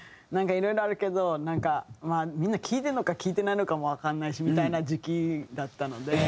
なんかいろいろあるけどみんな聴いてるのか聴いてないのかもわかんないしみたいな時期だったので。